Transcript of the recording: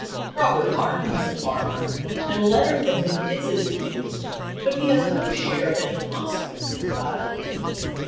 Robert Martin is a farmer, and a letter from him is introduced, but he has no share of any consequence in the dialogue.